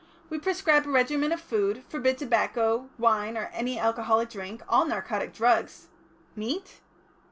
We prescribe a regimen of food, forbid tobacco, wine, or any alcoholic drink, all narcotic drugs " "Meat?"